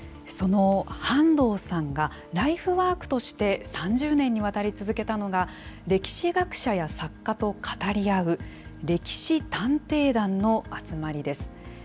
その半藤さんが、ライフワークとして３０年にわたり続けたのが、歴史学者や作家と語り合う歴史探偵団の集まりです。